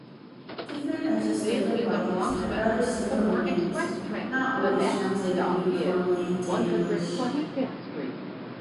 Different legislative bodies had rather similar names, not always translated uniformly into English.